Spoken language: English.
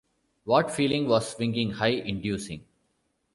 What feeling was swinging high inducing?